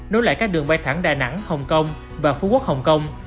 nối lại các đường bay thẳng đà nẵng hồng kông và phú quốc hồng kông